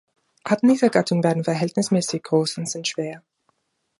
Arten dieser Gattung werden verhältnismäßig groß und sind schwer.